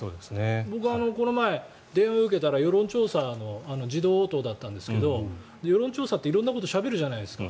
僕この前、電話を受けたら世論調査の自動応答だったんですが世論調査って色んなことしゃべるじゃないですか。